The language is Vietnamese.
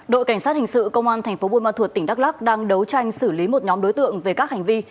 đội cảnh sát hình sự công an tp bùi măn thuột tỉnh đắk lắc đang đấu tranh xử lý một nhóm đối tượng về các hành vi